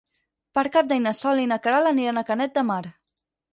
Per Cap d'Any na Sol i na Queralt aniran a Canet de Mar.